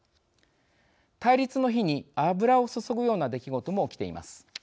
対立の火に油を注ぐような出来事も起きています。